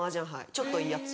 ちょっといいやつ。